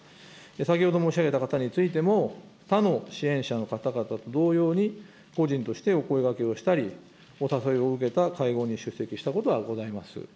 先ほど申し上げた方についても、他の支援者の方々と同様に、個人としてお声かけをしたり、お誘いを受けた会合に出席したことはございます。